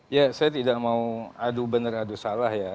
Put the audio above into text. ya saya tidak mau adu benar adu salah ya